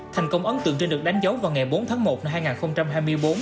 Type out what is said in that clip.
thành công ấn tượng trên được đánh dấu vào ngày bốn tháng một năm hai nghìn hai mươi bốn